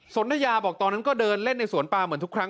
นทยาบอกตอนนั้นก็เดินเล่นในสวนปลาเหมือนทุกครั้ง